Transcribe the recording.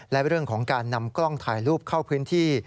และเรื่องของการนำกล้องถ่ายรูปเข้าพื้นที่